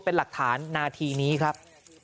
เป็นหลักฐานนาทีนี้ครับ